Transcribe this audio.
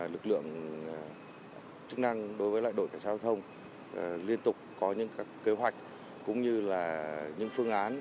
lực lượng chức năng đối với đội cảnh sát giao thông liên tục có những kế hoạch cũng như là những phương án